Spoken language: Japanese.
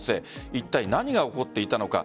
いったい何が起こっていたのか。